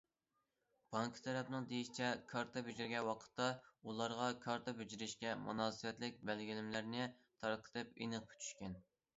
بانكا تەرەپنىڭ دېيىشىچە، كارتا بېجىرگەن ۋاقىتتا ئۇلارغا كارتا بېجىرىشكە مۇناسىۋەتلىك بەلگىلىمىلەرنى تارقىتىپ ئېنىق پۈتۈشكەن.